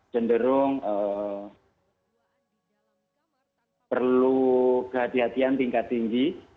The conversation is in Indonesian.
cenderung perlu kehatian kehatian tingkat tinggi